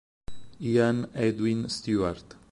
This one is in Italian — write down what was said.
Ian Edwin Stewart